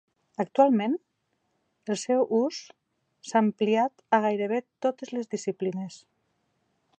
Actualment, el seu ús s'ha ampliat a gairebé totes les disciplines.